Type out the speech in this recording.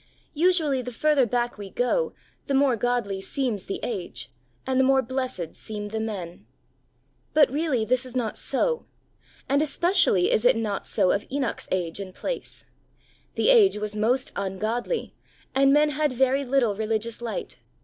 Usually the further back we go, the more godly seems the age, and the more blessed seem the men. But really this is not so, and especially is it not so of Enoch's age and place. The age was most ungodly, and men had very little religious light.